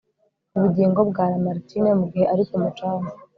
ubugingo bwa lamartine, mugihe ari ku mucanga